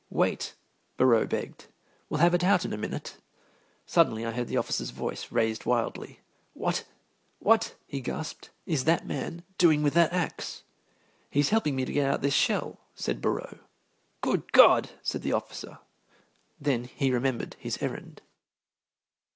"Wait," Borrowe begged; "we'll have it out in a minute." Suddenly I heard the officer's voice raised wildly. "What what," he gasped, "is that man doing with that axe?" "He's helping me to get out this shell," said Borrowe. "Good God!" said the officer. Then he remembered his errand.